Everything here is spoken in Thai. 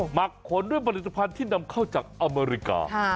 หักขนด้วยผลิตภัณฑ์ที่นำเข้าจากอเมริกา